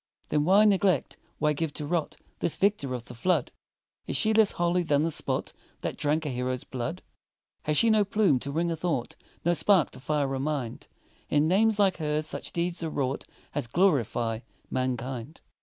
Then why neglect why give to rot This victor of the flood? Is she less holy than the spot That drank a hero's blood? Has she no plume to wing a thought No spark to fire a mind? In names like her's such deeds are wrought As glorify mankind.